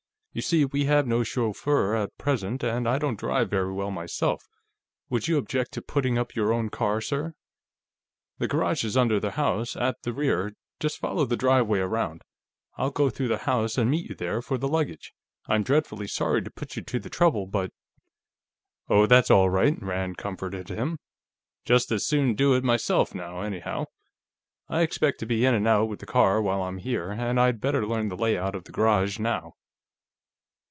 "You see, we have no chauffeur, at present, and I don't drive very well, myself. Would you object to putting up your own car, sir? The garage is under the house, at the rear; just follow the driveway around. I'll go through the house and meet you there for the luggage. I'm dreadfully sorry to put you to the trouble, but...." "Oh, that's all right," Rand comforted him. "Just as soon do it, myself, now, anyhow. I expect to be in and out with the car while I'm here, and I'd better learn the layout of the garage now."